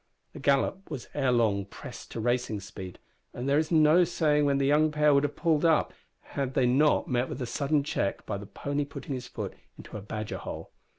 The gallop was ere long pressed to racing speed, and there is no saying when the young pair would have pulled up had they not met with a sudden check by the pony putting his foot into a badger hole.